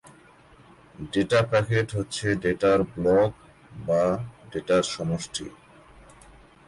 Data packet হচ্ছে ডেটার block বা ডেটার সমষ্টি।